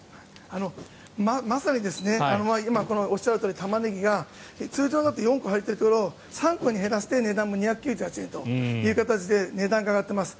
まさに今、おっしゃるとおりタマネギが通常だと４個入ってるところを３個に減らして値段も２９８円という形で値段が上がっています。